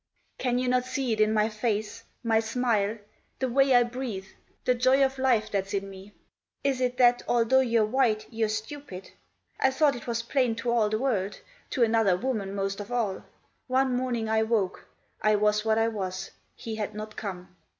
" Can you not see it in my face ? my smile ? the way I breathe? the joy of life that's in me? Is it that, although you're white, you're stupid ? I thought it was plain to all the world ; to another woman most of all. One morning I woke ; I was what I was ; he had not come.